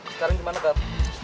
sekarang cuma nekat